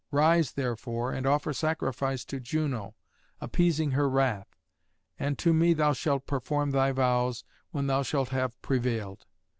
Rise therefore, and offer sacrifice to Juno, appeasing her wrath. And to me thou shalt perform thy vows when thou shalt have prevailed.